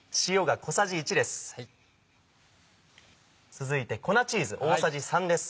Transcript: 続いて粉チーズ大さじ３です。